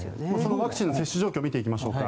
ワクチンの接種状況を見ていきましょうか。